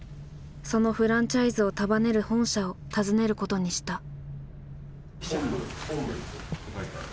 そのフランチャイズを束ねる本社を訪ねることにした。